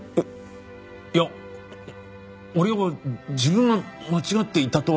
いや俺は自分が間違っていたとは。